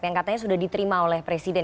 yang katanya sudah diterima oleh presiden